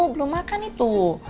belum makan itu